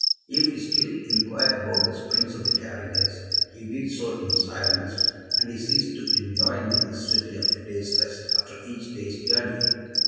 If he still inquired about the springs of the carriages, he did so in silence, and he ceased to enjoin the necessity of a day's rest after each day's journey.